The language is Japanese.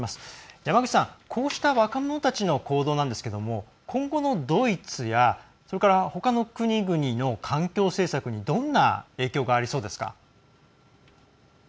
山口さん、こうした若者たちの行動なんですけれども今後のドイツやそれから、ほかの国々の環境政策にどんな影響がありそうですか。